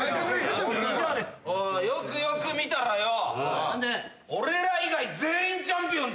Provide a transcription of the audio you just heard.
よくよく見たらよ。